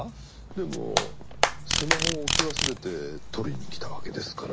でもスマホを置き忘れて取りにきたわけですから。